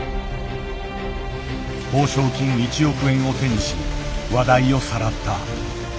褒賞金１億円を手にし話題をさらった。